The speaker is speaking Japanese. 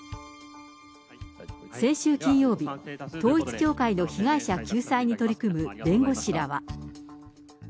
先週金曜日、統一教会の被害者救済に取り組む弁護士らは。